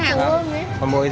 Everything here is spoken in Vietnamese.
nhà con có bao nhiêu khách